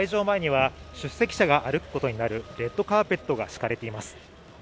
前には出席者が歩くことになるレッドカーペットが敷かれています